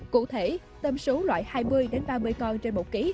cụ thể tâm số loại hai mươi ba mươi con trên một ký